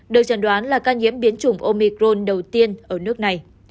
được chẩn đoán là ca nhiễm biến chủng omicron đầu tiên ở nước này